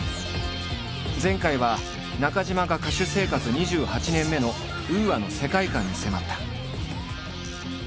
前回は中島が歌手生活２８年目のＵＡの世界観に迫った。